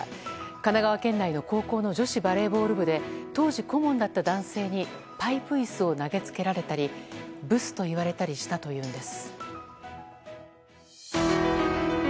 神奈川県内の高校の女子バレーボール部で当時、顧問だった男性にパイプ椅子を投げつけられたりブスと言われたりしたというのです。